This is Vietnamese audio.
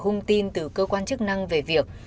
hông tin từ cơ quan chức năng về việc